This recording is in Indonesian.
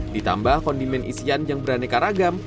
ditambah kondimen isian yang beraneka ragam